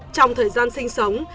trong thời gian sinh sống